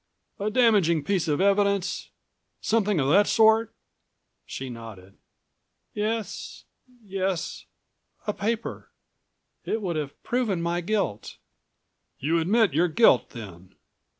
A damaging piece of evidence? Something of the sort?" She nodded. "Yes ... yes ... a paper. It would have proven my guilt." "You admit your guilt then?